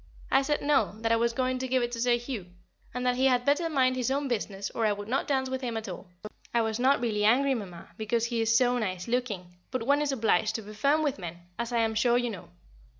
I said No, that I was going to give it to Sir Hugh, and that he had better mind his own business or I would not dance with him at all. I was not really angry, Mamma because he is so nice looking but one is obliged to be firm with men, as I am sure you know.